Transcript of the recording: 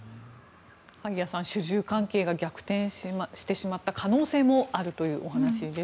萩谷さん、主従関係が逆転してしまった可能性もあるというお話です。